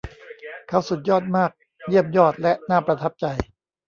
เขาสุดยอดมาก เยี่ยมยอดและน่าประทับใจ